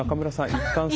いったん。